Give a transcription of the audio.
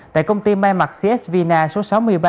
tại công ty mai mạc csvna số sáu mươi ba a ba